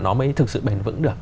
nó mới thực sự bền vững được